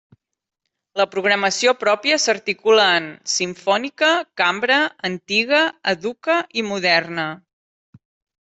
La programació pròpia s'articula en: simfònica, cambra, antiga, educa i moderna.